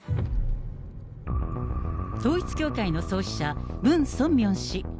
統一教会の創始者、ムン・ソンミョン氏。